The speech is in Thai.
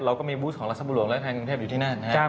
เราก็มีบูธของลักษณะบุหรวงและไทยกังเทพฯอยู่ที่นั่นนะครับ